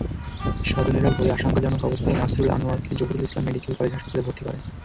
স্বজনেরা ভোরে আশঙ্কাজনক অবস্থায় নাসরুল আনোয়ারকে জহুরুল ইসলাম মেডিকেল কলেজ হাসপাতালে ভর্তি করেন।